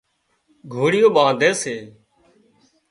گھوڙيون ٻانڌي سي